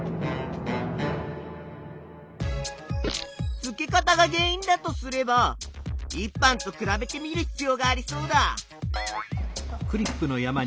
付け方が原いんだとすれば１班とくらべてみる必要がありそうだ。